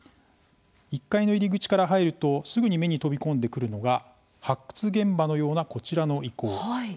１階の入り口から入るとすぐに目に飛び込んでくるのが発掘現場のような、こちらの遺構。